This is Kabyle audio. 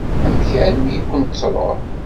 Amek armi i kent-tṛuḥ?